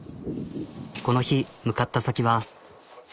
この日向かった先は。